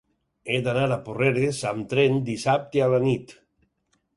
He d'anar a Porreres amb tren dissabte a la nit.